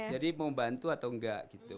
jadi mau bantu atau enggak gitu